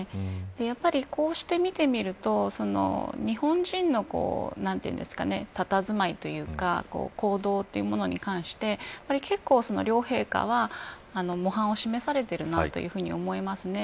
やっぱり、こうして見てみると日本人のたたずまいというか行動というものに関して結構、両陛下は模範を示されているなというふうに思いますね。